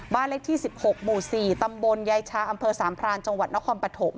บ้านเลขที่๑๖หมู่๔ตำบลยายชาอำเภอสามพรานจังหวัดนครปฐม